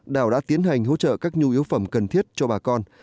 đảo đã tiến hành hỗ trợ các nhu yếu phẩm cần thiết cho bà con